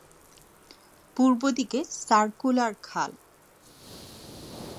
পূর্ব দিকে সার্কুলার খাল।